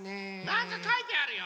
なんかかいてあるよ！